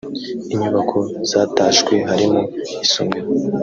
Inyubako zatashwe harimo isomero